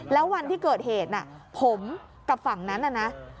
แล้ววันที่เกิดเหตุผมกับฝั่งนั้น